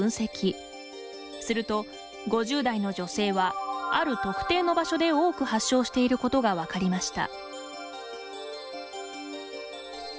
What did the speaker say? すると、５０代の女性はある特定の場所で多く発症していることが分かりました。